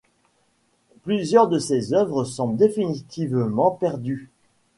Plusieurs de ses œuvres semblent définitivement perdues.